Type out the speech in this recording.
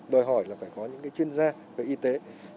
đòi hỏi là phải có những chuyên gia về y tế